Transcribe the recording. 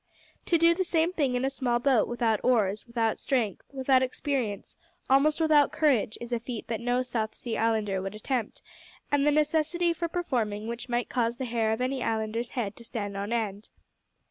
To do the same thing in a small boat, without oars, without strength, without experience, almost without courage, is a feat that no South Sea islander would attempt, and the necessity for performing which might cause the hair of any islander's head to stand on end.